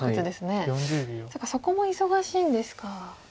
そこも忙しいんですか。